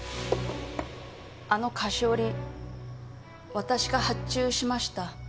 あの菓子折り私が発注しました。